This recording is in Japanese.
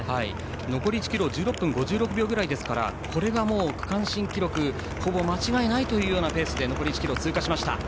残り１ｋｍ１６分５６秒ぐらいなのでこれが区間新記録ほぼ間違いないというペースで残り１ｋｍを通過しました。